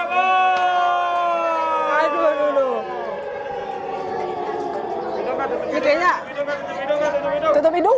papa milik abu jeng